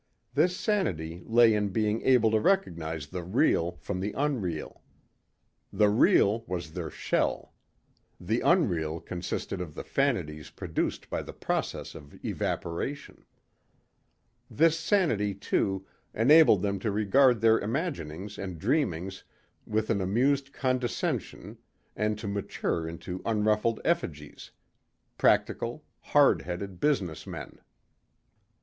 This sanity lay in being able to recognize the real from the unreal. The real was their shell. The unreal consisted of the fantasies produced by the process of evaporation. This sanity, too, enabled them to regard their imaginings and dreamings with an amused condescension and to mature into unruffled effigies practical, hard headed business men.